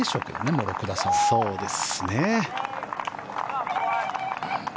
もう６打差で。